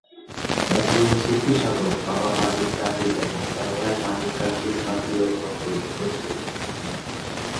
একজন সূফী সাধক বাবা মালিক তাহির এবং তার ভাই মালিক কাসিম বাকী দলের অন্তর্ভুক্ত ছিলেন।